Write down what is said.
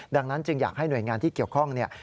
ดังนั้นจึงอยากให้หน่วยงานที่เกี่ยวข้องเนี่ย